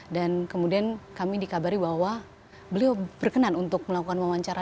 dan kemudian kami dikabari bahwa beliau berkenan untuk melakukan pewawancara